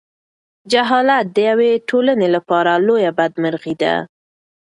جهالت د یوې ټولنې لپاره لویه بدمرغي ده.